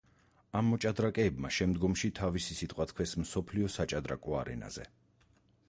ამ მოჭდრაკეებმა შემდგომში თავისი სიტყვა თქვეს მსოფლიო საჭადრაკო არენაზე.